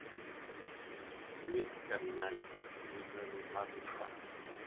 Louis Cardinals, en el nuevo Marlins Park.